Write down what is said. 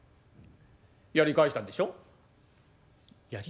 「やり返したんでしょ？」。